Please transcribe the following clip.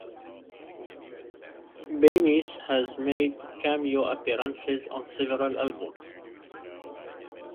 Bemis has made cameo appearances on several albums.